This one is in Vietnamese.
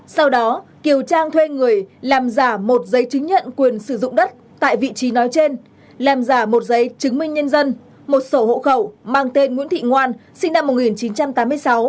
sau đó kiều trang thuê người làm giả một giấy chứng nhận quyền sử dụng đất tại vị trí nói trên làm giả một giấy chứng minh nhân dân một sổ hộ khẩu mang tên nguyễn thị ngoan sinh năm một nghìn chín trăm tám mươi sáu